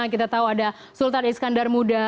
kita tahu ada sultan iskandar muda